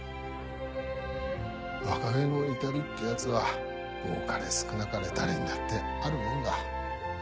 若気の至りってやつは多かれ少なかれ誰にだってあるもんだ。